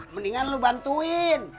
mendingan lo bantuin